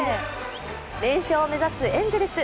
連勝を目指すエンゼルス。